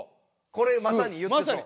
これまさに言ってそう？